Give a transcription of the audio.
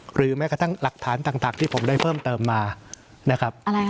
หรือแม้ลักษณะตักที่ผมได้เพิ่มเติมมานะครับ